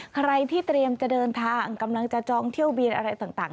ใครที่เตรียมจะเดินทางกำลังจะจองเที่ยวบินอะไรต่าง